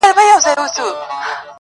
نن د پايزېب په شرنگهار راته خبري کوه.